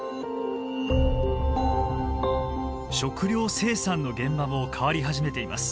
食料生産の現場も変わり始めています。